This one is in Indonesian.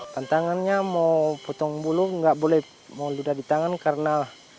tantangannya mau potong bulu nggak boleh mau ludah di tangan karena